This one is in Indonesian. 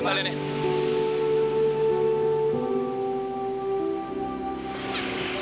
ambil aja pak